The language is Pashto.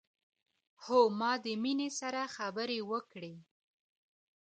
هو ما د مينې سره خبرې وکړې